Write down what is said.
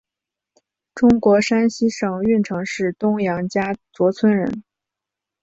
中国山西省运城市东杨家卓村人。